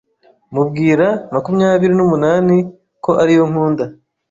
mubwira makumyabiri numunani ko ariyo nkunda